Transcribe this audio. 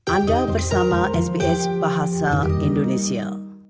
anda bersama sbs bahasa indonesia